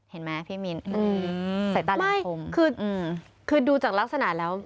เห็นไหมพี่มีนอืมใส่ตาหน่อยไม่คืออืมคือดูจากลักษณะแล้ว